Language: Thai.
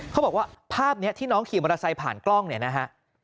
เขาบอกว่าภาพนี้ที่น้องขี่มอเตอร์ไซค์ผ่านกล้องเนี่ยนะฮะ